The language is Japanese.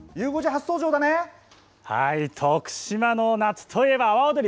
はい、徳島の夏といえば阿波おどり。